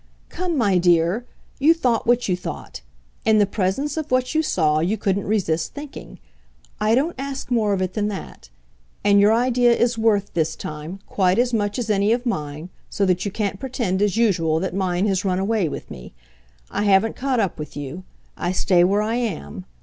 "Come, my dear you thought what you thought: in the presence of what you saw you couldn't resist thinking. I don't ask more of it than that. And your idea is worth, this time, quite as much as any of mine so that you can't pretend, as usual, that mine has run away with me. I haven't caught up with you. I stay where I am.